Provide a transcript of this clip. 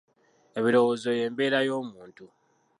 Ebirowoozo ye mbeera y'omuntu.